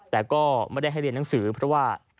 แต่ก็ไม่ได้ให้เรียนหนังสือเพราะว่า